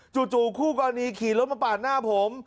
จู่คู่กรณีขี่รถมาปาดหน้าผม